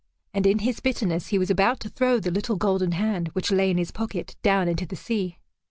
And in his bitterness he was about to throw the little golden hand which lay in his pocket down into the sea.